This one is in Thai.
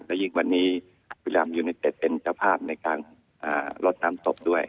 ดังนั้นอีกวันนี้บุรีรามอยู่ในเต้นจัดพร่าดก็จะลดตามศพด้วย